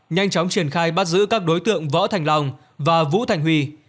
nhanh chóng triển khai bắt giữ các đối tượng võ thành long và vũ thành huy